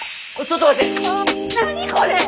何これ！？